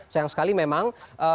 sayang sekali memang